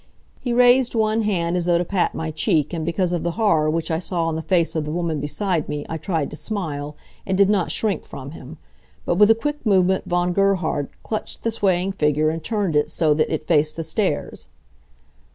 He raised one hand as though to pat my check and because of the horror which I saw on the face of the woman beside me I tried to smile, and did not shrink from him. But with a quick movement Von Gerhard clutched the swaying figure and turned it so that it faced the stairs.